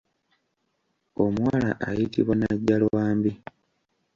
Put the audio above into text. Omuwala ayitibwa nnajjalwambi.